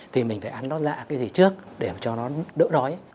thì mình phải ăn nó dạ cái gì trước để cho nó đỡ đói